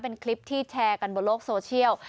เป็นคลิปที่แชร์กันบนโลกโซเชียล